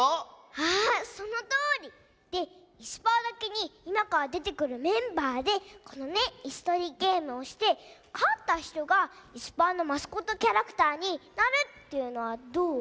あそのとおり！でいすパーだけにいまからでてくるメンバーでこのねいすとりゲームをしてかったひとがいすパーのマスコットキャラクターになるというのはどう？